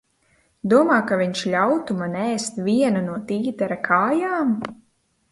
Domā, ka viņš ļautu man ēst vienu no tītara kājām?